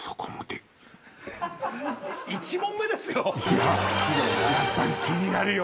１問目ですよ